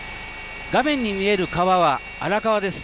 画面に見える川は荒川です。